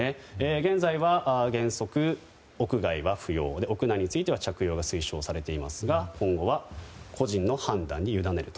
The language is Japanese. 現在は原則、屋外は不要屋内については着用が推奨されていますが今後は個人の判断に委ねると。